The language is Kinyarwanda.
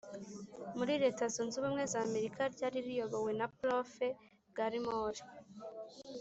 muri Leta Zunze Ubumwe z Amerika ryari riyobowe na Prof Gallimore